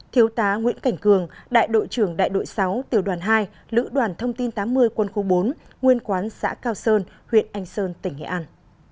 tám thiếu tá nguyễn cảnh cường đại đội trưởng đại đội sáu tiểu đoàn hai lữ đoàn thông tin tám mươi quân khu bốn nguyên quán xã cao sơn huyện anh sơn tỉnh nghệ an